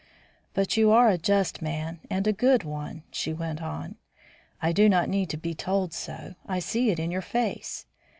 "But you are a just man and a good one," she went on. "I do not need to be told so; I see it in your face.